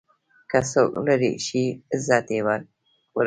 که څوک لرې شي، عزت یې ورک کېږي.